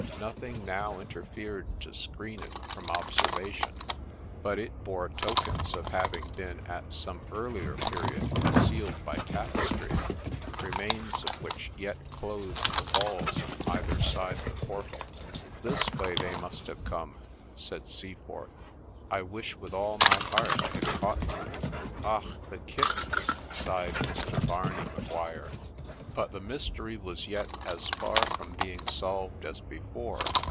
Nothing now interfered to screen it from observation ; but it bore tokens of having been at some earlier period concealed by tapestry, remains of which yet clothed the walls on either side the portal. ' This way they must have come,' said Seaforth ;* I wish with all my heart I had caught them !'' Och ! the kittens !' sighed Mr. Barney Maguire. But the mystery was yet as far from being solved as before.